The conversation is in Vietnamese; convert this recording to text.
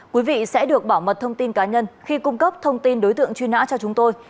quý vị sẽ được bảo mật thông tin cá nhân khi cung cấp thông tin đối tượng truy nã cho chúng tôi